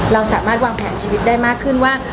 เราสามารถวางแผนชีวิตได้มากขึ้นว่า